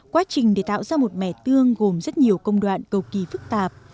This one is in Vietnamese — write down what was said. quá trình để tạo ra một mẻ tương gồm rất nhiều công đoạn cầu kỳ phức tạp